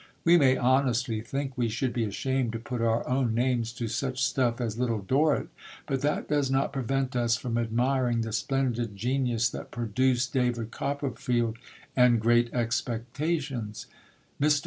We may honestly think that we should be ashamed to put our own names to such stuff as Little Dorrit, but that does not prevent us from admiring the splendid genius that produced David Copperfield and Great Expectations. Mr.